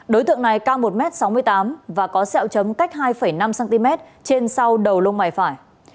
đối tượng này cao một m sáu mươi tám và có sẹo chấm cách hai năm cm trên sau đầu lông mày phải